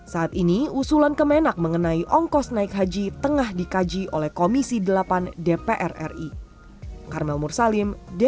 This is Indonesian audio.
saat ini usulan kemenak mengenai ongkos naik haji tengah dikaji oleh komisi delapan dpr ri